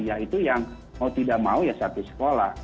ya itu yang mau tidak mau ya satu sekolah